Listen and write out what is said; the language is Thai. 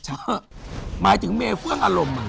หมายถึงเมเฟื่องอารมณ์